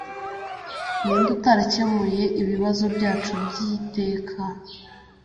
ninde utarakemuye ibibazo byacu by'iteka